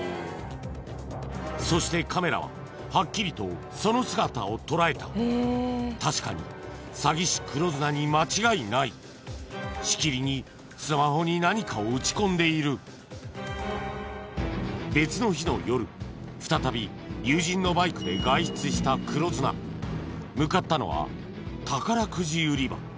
そしてカメラははっきりとその姿を捉えた確かにサギ師・黒ズナに間違いないしきりにスマホに何かを打ち込んでいる別の日の夜再び友人のバイクで外出した黒ズナ向かったのは宝くじ売り場